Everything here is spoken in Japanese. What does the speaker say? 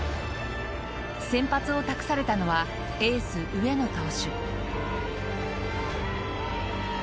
先発を託されたのはエース、上野投手。